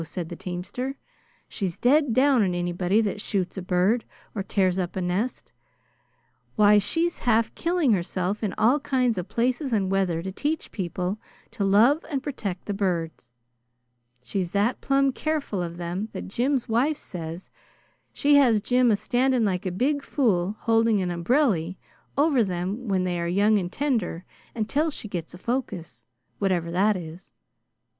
said the teamster. "She's dead down on anybody that shoots a bird or tears up a nest. Why, she's half killing herself in all kinds of places and weather to teach people to love and protect the birds. She's that plum careful of them that Jim's wife says she has Jim a standin' like a big fool holding an ombrelly over them when they are young and tender until she gets a focus, whatever that is.